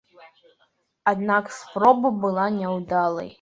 Аднак спроба была няўдалай.